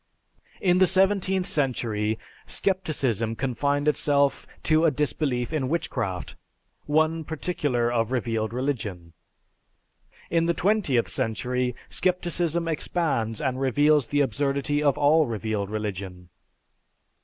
In the seventeenth century, scepticism confined itself to a disbelief in witchcraft, one particular of revealed religion; in the twentieth century, scepticism expands and reveals the absurdity of all revealed religion.